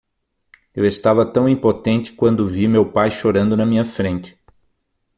Eu estava tão impotente quando vi meu pai chorando na minha frente.